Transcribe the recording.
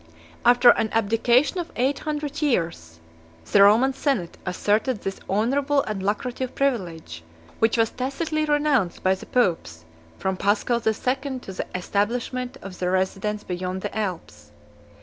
After an abdication of eight hundred years, the Roman senate asserted this honorable and lucrative privilege; which was tacitly renounced by the popes, from Paschal the Second to the establishment of their residence beyond the Alps.